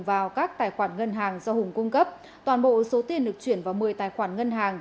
vào các tài khoản ngân hàng do hùng cung cấp toàn bộ số tiền được chuyển vào một mươi tài khoản ngân hàng